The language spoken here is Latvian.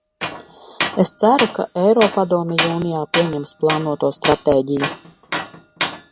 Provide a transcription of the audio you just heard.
Es ceru, ka Eiropadome jūnijā pieņems plānoto stratēģiju.